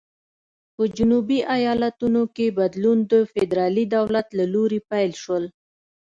په جنوبي ایالتونو کې بدلون د فدرالي دولت له لوري پیل شول.